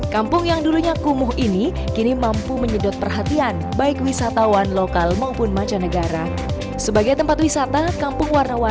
kampung warna warni jodipan